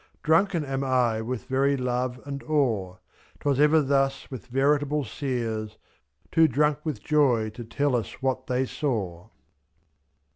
Drunken am I with very love and awe; f^J, 'Twas ever thus with veritable seers — Too drunk with joy to tell us what they saw.